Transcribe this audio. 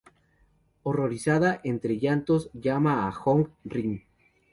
Horrorizada, entre llantos llama a Hong-rim.